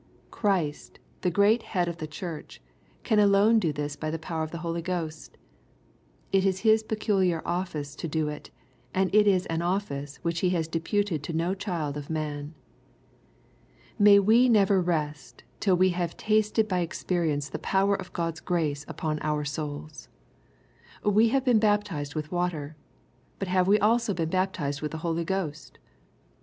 Christ, the great Head of the Church, can alone do this by the power of the Holy Ghost. It is His peculiar office to do it, and it is an office which He has deputed to no child of man. May we never rest till we have tasted by experience the power of Christ's grace upon our souls 1 We have been baptized with water. But have we also been bap tized with the Holy Ghost